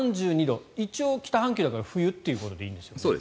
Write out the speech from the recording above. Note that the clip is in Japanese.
一応、北半球だから冬ということでいいんですよね。